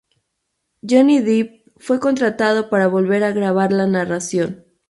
Johnny Depp fue contratado para volver a grabar la narración.